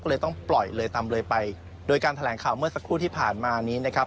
ก็เลยต้องปล่อยเลยตามเลยไปโดยการแถลงข่าวเมื่อสักครู่ที่ผ่านมานี้นะครับ